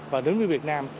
và đối với việt nam